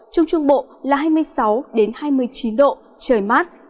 trung trung bộ là hai mươi sáu hai mươi chín độ trời mát